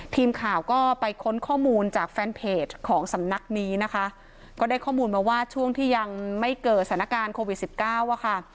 ทีมข่าวก็ไปค้นข้อมูลจากแฟนเพจของสำนักนี้นะคะก็ได้ข้อมูลมาว่าช่วงที่ยังไม่เกิดสถานการณ์โควิดสิบเก้าอะค่ะ